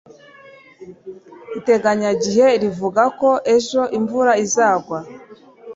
iteganyagihe rivuga ko ejo imvura izagwa